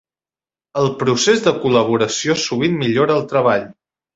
El procés de col·laboració sovint millora el treball.